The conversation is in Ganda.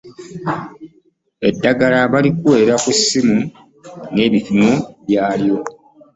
Eddagala balikuweera ku ssimu n'ebipimo byalyo